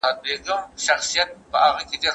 حيوان څه چي د انسان بلا د ځان دي